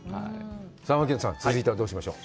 さあ槙野さん、続いてはどうしましょう。